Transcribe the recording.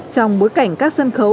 trong bối cảnh các sân khấu